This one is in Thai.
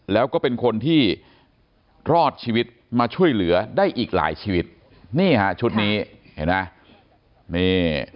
แล้วก็เป็นคนที่รอดชีวิตมาช่วยเหลือได้อีกหลายชีวิตนี่ฮะชุดนี้เห็นไหมนี่